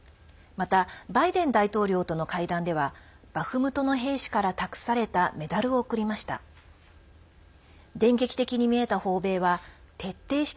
またバイデン大統領との会談ではバフムトの兵士から託されたメダルを贈りました。